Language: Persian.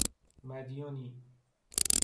مدیونی